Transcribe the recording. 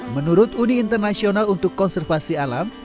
menurut uni internasional untuk konservasi alam